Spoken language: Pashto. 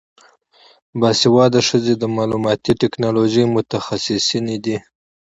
باسواده ښځې د معلوماتي ټیکنالوژۍ متخصصینې دي.